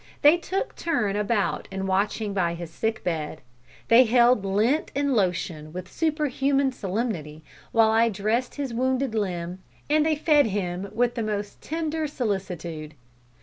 They took turn about in watching by his sick bed. They held lint and lotion with superhuman solemnity while I dressed his wounded limb, and they fed him with the most tender solicitude.